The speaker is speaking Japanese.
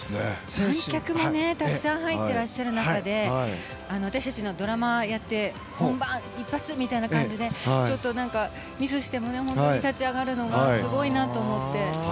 観客もたくさん入ってらっしゃる中で私たちのドラマと違って本番一発みたいな感じでちょっとミスしても本当に、立ち上がるのがすごいなと思って。